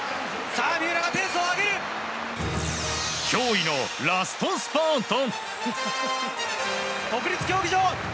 驚異のラストスパート。